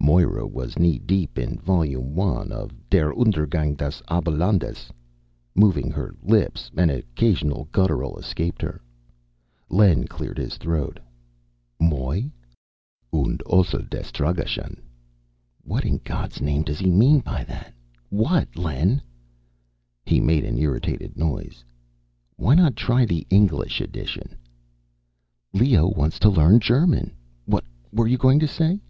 Moira was knee deep in Volume I of Der Untergang des Abendlandes, moving her lips; an occasional guttural escaped her. Len cleared his throat. "Moy?" " und also des tragischen what in God's name does he mean by that ? What, Len?" He made an irritated noise. "Why not try the English edition?" "Leo wants to learn German. What were you going to say?"